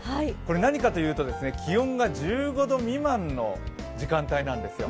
何かというと気温が１５度未満の時間帯なんですよ。